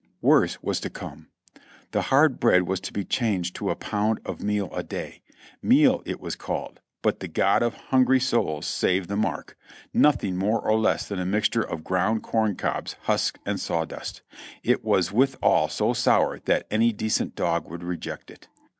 Worse was to come ; the hard bread was to be changed to a pound of meal a day ; meal it was called, but the God of Hungry Souls save the mark ! Nothing more or less than a mixture of e round corn cobs, husks and saw dust; it was withal so sour that any decent dog would reject it.